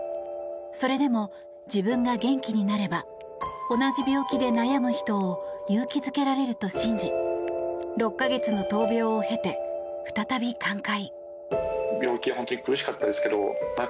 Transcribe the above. それでも自分が元気になれば同じ病気で悩む人を勇気づけられると信じ６か月の闘病を経て再び寛解。